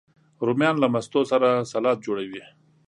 رومیان له ماستو سره سالاد جوړوي